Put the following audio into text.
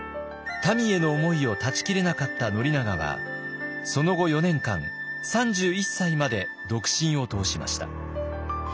たみへの思いを断ち切れなかった宣長はその後４年間３１歳まで独身を通しました。